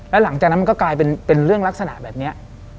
แล้วหลังจากนั้นมันก็กลายเป็นเรื่องลักษณะแบบนี้